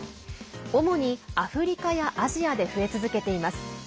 主にアフリカやアジアで増え続けています。